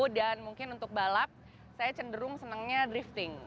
dan mungkin untuk balap saya cenderung senangnya drifting